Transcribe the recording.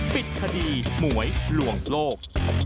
ปิดคดีหมวยลวงโลก